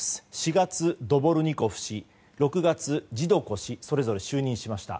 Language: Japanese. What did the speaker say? ４月、ドボルニコフ氏６月、ジドコ氏がそれぞれ就任しました。